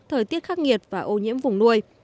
thời tiết khắc nghiệt và ô nhiễm vùng nuôi